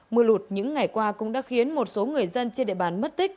mưa lụt những ngày qua cũng đã khiến một số người dân trên địa bàn mất tích